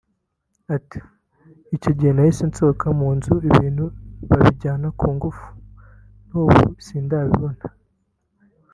Ati “Icyo gihe nahise nsohoka mu nzu ibintu babijyana ku ngufu n’ubu sindabibona